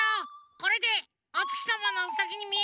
これでおつきさまのウサギにみえるでしょ！